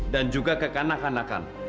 dan juga kekanak kanakan